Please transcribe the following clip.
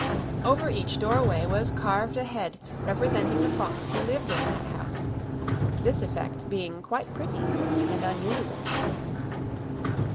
Over each doorway was carved a head representing the fox who lived in that house, this effect being quite pretty and unusual.